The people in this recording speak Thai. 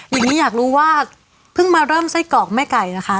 อย่างนี้อยากรู้ว่าเพิ่งมาเริ่มไส้กรอกแม่ไก่นะคะ